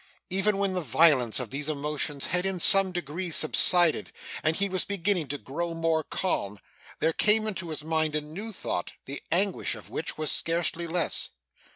Even when the violence of these emotions had in some degree subsided, and he was beginning to grow more calm, there came into his mind a new thought, the anguish of which was scarcely less.